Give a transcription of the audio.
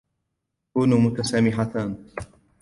كونا متسامحتان.